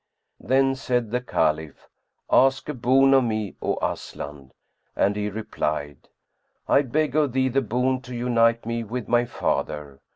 Then said the Caliph, "Ask a boon of me, O Aslan;" and he replied, "I beg of thee the boon to unite me with my father."